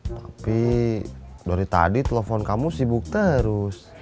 tapi dari tadi telepon kamu sibuk terus